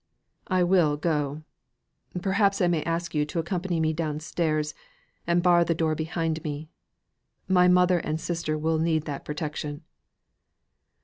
"I will go. Perhaps I may ask you to accompany me downstairs, and bar the door behind me; my mother and sister will need that protection."